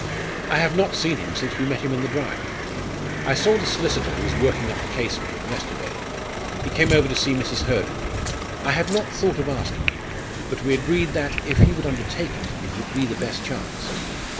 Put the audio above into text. "I have not seen him since we met him in the drive. I saw the solicitor who is working up the case for him yesterday. He came over to see Mrs. Hurd and me. I had not thought of asking him, but we agreed that, if he would undertake it, it would be the best chance."